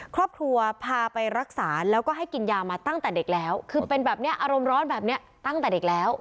ครอบครัวพาไปรักษาแล้วก็ให้กินยามาตั้งแต่เด็กแล้วคือเป็นแบบนี้อารมณ์ร้อนแบบนี้ตั้งแต่เด็กแล้ว